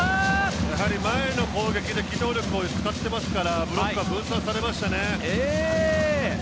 やはり前の攻撃で機動力を使っているのでブロックが分散されましたね。